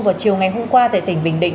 vào chiều ngày hôm qua tại tỉnh bình định